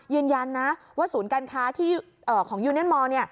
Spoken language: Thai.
ยืนยันนะว่าศูนย์การค้าของยูเนนมอร์